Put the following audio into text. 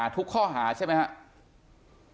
ทุกข้อหาใช่ไหมครับ